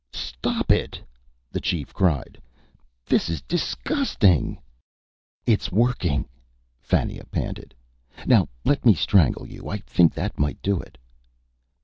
"Stop it!" the chief cried. "This is disgusting!" "It's working," Fannia panted. "Now let me strangle you. I think that might do it."